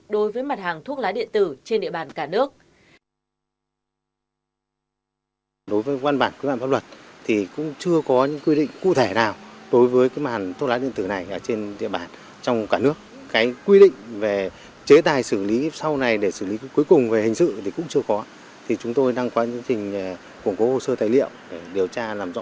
đối với mặt hàng thuốc lái điện tử trên địa bàn cả nước